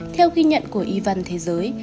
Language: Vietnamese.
theo ghi nhận của y văn thế giới